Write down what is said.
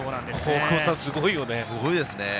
すごいよね。